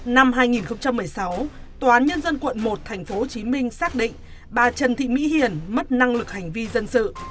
năm hai nghìn một mươi sáu tòa án nhân dân quận một tp hcm xác định bà trần thị mỹ hiền mất năng lực hành vi dân sự